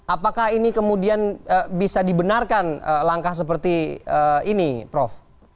apakah ini kemudian bisa dibenarkan langkah seperti ini prof